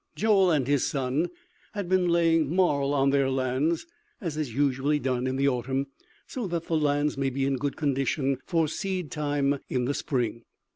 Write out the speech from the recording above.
Joel and his son had been laying marl on their lands, as is usually done in the autumn, so that the lands may be in good condition for seed time in the spring.